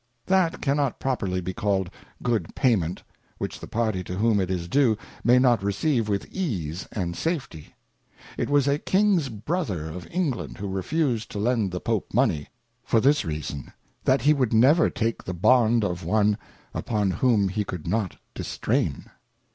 That cannot properly be called good payment, which the party to whom it is due may not receive with ease and safety. It was a Kings Brother of England who refused to lend the Pope money, for this reason. That he would never take the Bond of one, upon whom he could not distrain.